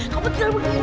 kamu tinggal begini